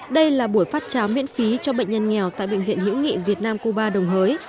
đây là buổi phát cháo miễn phí cho bệnh nhân nghèo tại bệnh viện hữu nghị việt nam cuba đồng hới